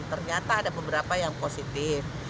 ternyata ada beberapa yang positif